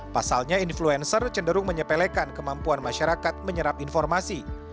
pasalnya influencer cenderung menyepelekan kemampuan masyarakat menyerap informasi